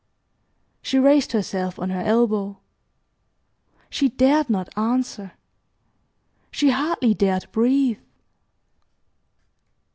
She raised herself on her elbow. She dared not answer. She hardly dared breathe.